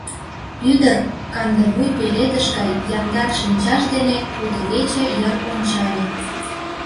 Ӱдыр кандывуй пеледыш гай яндар шинчаж дене кудывече йыр ончале.